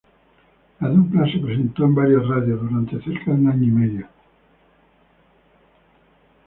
La dupla se presentó en varias radios, durante cerca de un año y medio.